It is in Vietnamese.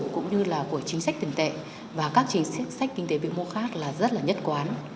cũng như là của chính sách tiền tệ và các chính sách kinh tế vĩ mô khác là rất là nhất quán